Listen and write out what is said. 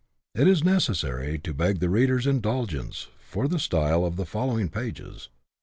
It is necessary to beg the reader's indulgence for the style of the following pages.